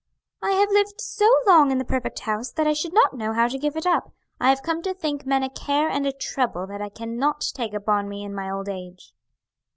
"I have lived so long in the perfect house that I should not know how to give it up. I have come to think men a care and a trouble that I cannot take upon me in my old age."